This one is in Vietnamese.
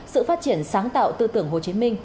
sự phát triển sáng tạo tư tưởng hồ chí minh